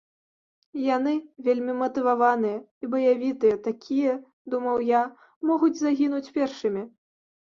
Яны вельмі матываваныя і баявітыя, такія, думаў я, могуць загінуць першымі.